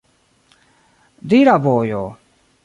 Dira bojo!